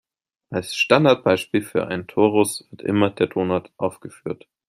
Als Standardbeispiel für einen Torus wird immer der Donut aufgeführt.